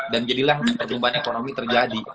dan jadilah perlumbaan ekonomi terjadi